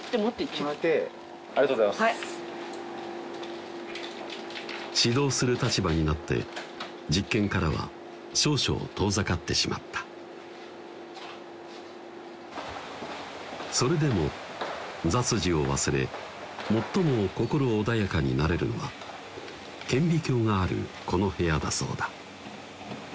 はい指導する立場になって実験からは少々遠ざかってしまったそれでも雑事を忘れ最も心穏やかになれるのは顕微鏡があるこの部屋だそうだ